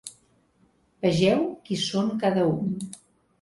Vegeu qui són cada un.